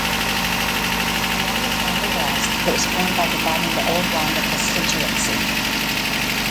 Along with Rhondda West it was formed by dividing the old Rhondda constituency.